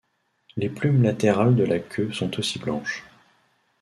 Les plumes latérales de la queue sont aussi blanches.